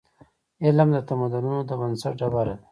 علم د تمدنونو د بنسټ ډبره ده.